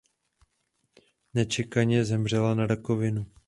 Nečekaně zemřela na rakovinu.